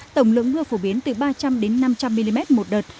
tổng lượng mưa phổ biến từ ba trăm linh năm trăm linh mm một đợt